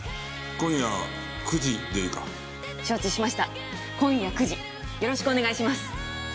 今夜９時よろしくお願いします。